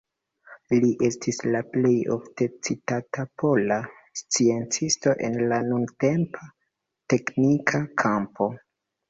Li estas la plej ofte citata pola sciencisto en la nuntempa teknika kampo.